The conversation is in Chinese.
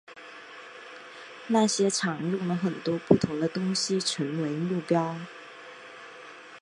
那些场用了很多不同的东西成为目标。